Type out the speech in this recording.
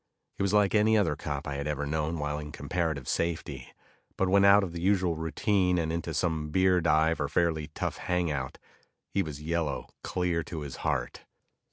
He was like any other cop I had ever known while in comparative safety, but when out of the usual routine and into some beer dive or fairly tough hangout, he was yellow clear to his heart.